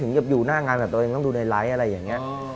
กับอยู่หน้างานแบบตัวเองต้องดูในไลค์อะไรอย่างนี้